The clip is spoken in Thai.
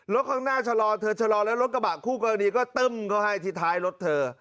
ข้างหน้าชะลอเธอชะลอแล้วรถกระบะคู่กรณีก็ตึ้มเขาให้ที่ท้ายรถเธอ